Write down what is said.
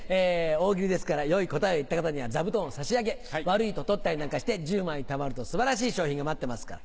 大喜利ですから良い答えを言った方には座布団を差し上げ悪いと取ったりなんかして１０枚たまると素晴らしい賞品が待ってますから頑張ってください。